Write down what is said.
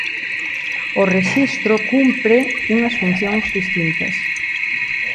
O rexistro cumpre unhas funcións distintas.